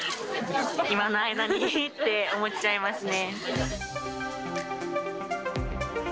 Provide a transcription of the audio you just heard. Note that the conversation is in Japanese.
今の間にって思っちゃいますね。